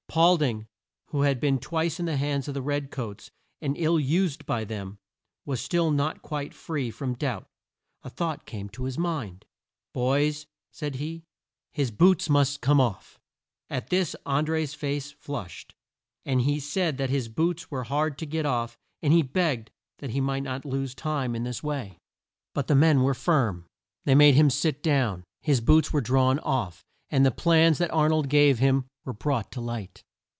Paul ding, who had been twice in the hands of the red coats and ill used by them, was still not quite free from doubt. A thought came to his mind. "Boys," said he, "his boots must come off." At this An dré's face flushed, and he said that his boots were hard to get off, and he begged that he might not lose time in this way. But the men were firm. They made him sit down, his boots were drawn off, and the plans that Ar nold gave him were brought to light.